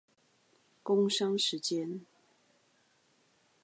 工商時間